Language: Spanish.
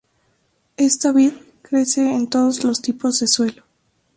Esta vid crece en todos los tipos de suelo.